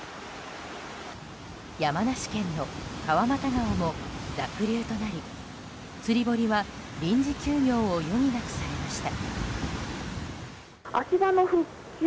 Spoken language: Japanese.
山梨県の川俣川も濁流となり釣り堀は臨時休業を余儀なくされました。